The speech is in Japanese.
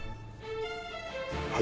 はい。